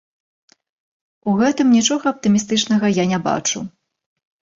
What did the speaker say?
У гэтым нічога аптымістычнага я не бачу.